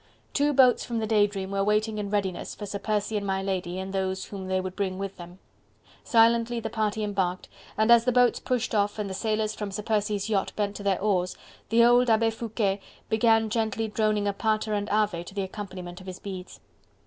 Two boats from the "Day Dream" were waiting in readiness for Sir Percy and my lady and those whom they would bring with them. Silently the party embarked, and as the boats pushed off and the sailors from Sir Percy's yacht bent to their oars, the old Abbe Foucquet began gently droning a Pater and Ave to the accompaniment of his beads.